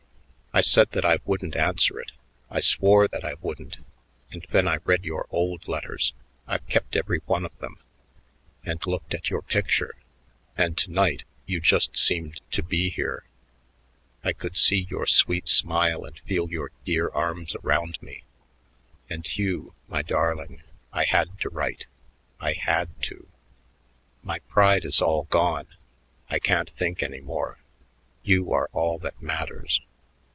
I said that I wouldn't answer it I swore that I wouldn't. And then I read your old letters I've kept every one of them and looked at your picture and to night you just seemed to be here I could see your sweet smile and feel your dear arms around me and Hugh, my darling, I had to write I had to. My pride is all gone. I can't think any more. You are all that matters.